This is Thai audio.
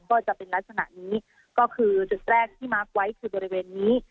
ก็จะเป็นลักษณะนี้ก็คือจุดแรกที่มาร์คไว้คือบริเวณนี้